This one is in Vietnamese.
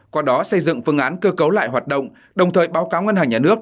qua đó xây dựng phương án cơ cấu lại hoạt động đồng thời báo cáo ngân hàng nhà nước